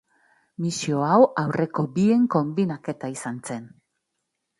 Misio hau aurreko bien konbinaketa izan zen.